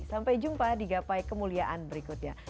sampai jumpa di gapai kemuliaan berikutnya